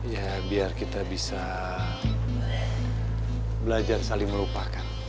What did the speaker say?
ya biar kita bisa belajar saling melupakan